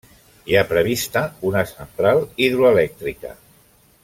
Hi ha prevista una central hidroelèctrica.